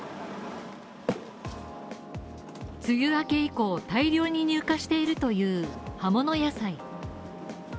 梅雨明け以降、大量に入荷しているという葉物野菜。